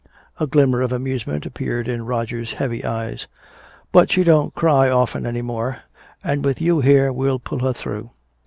A glimmer of amusement appeared in Roger's heavy eyes. "But she don't cry often any more, and with you here we'll pull her through."